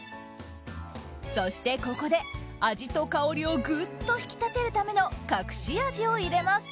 そして、ここで味と香りをぐっと引き立てるための隠し味を入れます。